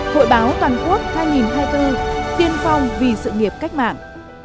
hội báo toàn quốc hai nghìn hai mươi bốn tiên phong vì sự nghiệp cách mạng